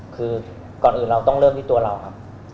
คือก่อนอื่นเราต้องเริ่มที่ตัวเราครับ